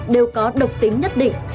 đều có độc tính nhất định